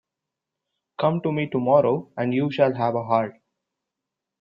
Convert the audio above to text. Come to me tomorrow and you shall have a heart.